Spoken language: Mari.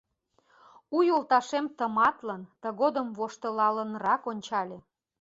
У йолташем тыматлын, тыгодым воштылалынрак ончале.